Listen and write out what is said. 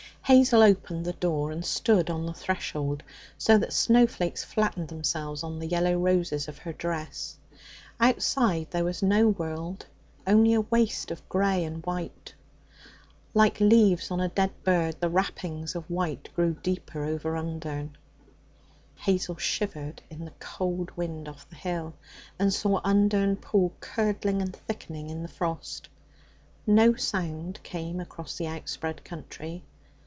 Hazel opened the door and stood on the threshold, so that snow flakes flattened themselves on the yellow roses of her dress. Outside there was no world, only a waste of grey and white. Like leaves on a dead bird, the wrappings of white grew deeper over Undern. Hazel shivered in the cold wind off the hill, and saw Undern Pool curdling and thickening in the frost. No sound came across the outspread country.